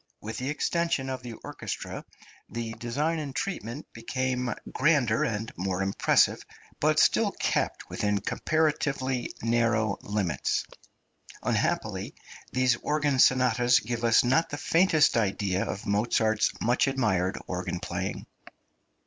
With the extension of the orchestra the design and treatment became grander and more impressive, but still kept within comparatively narrow limits. Unhappily these organ sonatas give us not the faintest idea of Mozart's much admired organ playing.